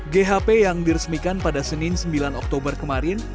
ghp yang diresmikan pada senin sembilan oktober kemarin